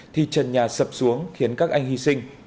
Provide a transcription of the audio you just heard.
thì trần nhà sập xuống khiến các anh hy sinh